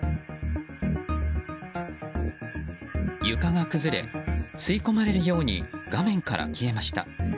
床が崩れ、吸い込まれるように画面から消えました。